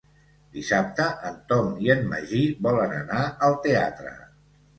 Dissabte en Tom i en Magí volen anar al teatre.